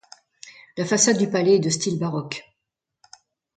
La façade du palais est de style Baroque.